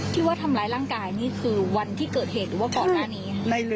ที่ว่าทำร้ายร่างกายนี่คือวันที่เกิดเหตุหรือว่าก่อนหน้านี้